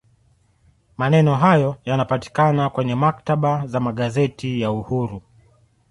maneno hayo yanapatikana kwenye maktaba za magazeti ya uhuru